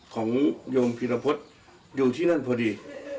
โยมพิรพฤษอยู่ที่นั่นพอดี